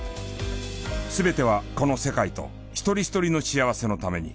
全てはこの世界と一人一人の幸せのために。